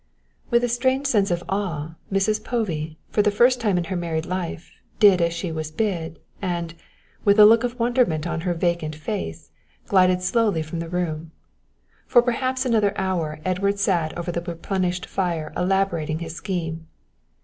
With a strange sense of awe Mrs. Povey, for the first time in her married life, did as she was bid, and, with a look of wonderment on her vacant face, glided slowly from the room. For perhaps another hour Edward sat over the replenished fire elaborating his scheme.